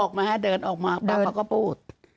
ออกมาเดินออกมาปรับมาก็พูด